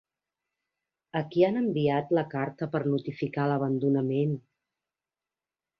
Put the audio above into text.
A qui han enviat la carta per notificar l'abandonament?